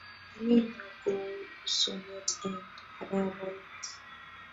Chamyenyo ko u usonet eng araraita